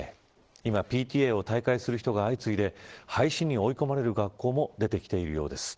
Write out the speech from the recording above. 今、ＰＴＡを退会する人が相次いで、廃止に追い込まれる学校も出てきているようです。